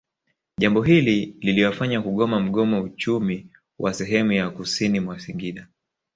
Jambo hilo liliwafanya kugoma mgomo Uchumi wa sehemu ya kusini mwa Singida